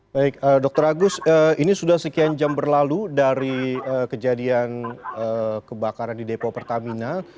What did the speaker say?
baik dr agus ini sudah sekian jam berlalu dari kejadian kebakaran di depo pertamina